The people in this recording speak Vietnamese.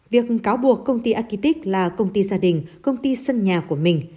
việc cáo buộc công ty agitic là công ty gia đình công ty sân nhà của mình